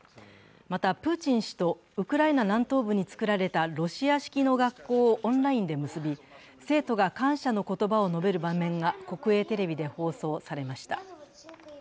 また、プーチン氏とウクライナ南東部に作られたロシア式の学校をオンラインで結び生徒が感謝の言葉を述べる場面が国営テレビで放送されました。